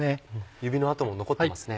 指の跡も残ってますね。